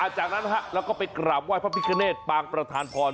จากนั้นเราก็ไปกราบว่ายพระพิกเกณฑ์ปางประธานพร